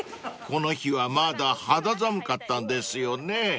［この日はまだ肌寒かったんですよね］